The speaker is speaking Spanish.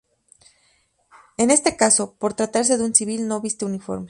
En este caso, por tratarse de un civil, no viste uniforme.